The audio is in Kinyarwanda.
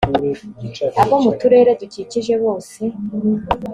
abo mu turere dukikije bose